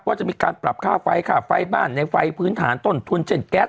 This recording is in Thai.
ว่าจะมีการปรับค่าไฟค่าไฟบ้านในไฟพื้นฐานต้นทุนเช่นแก๊ส